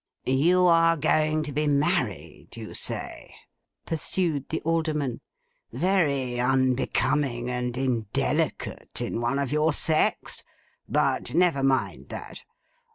'You are going to be married, you say,' pursued the Alderman. 'Very unbecoming and indelicate in one of your sex! But never mind that.